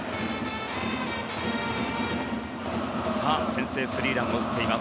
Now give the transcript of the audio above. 先制スリーランを打っています